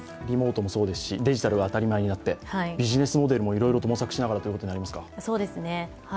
リモートもそうですし、デジタルが当たり前になってビジネスモデルもいろいろと模索しながらということになりますか？